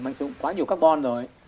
mà anh sử dụng quá nhiều carbon rồi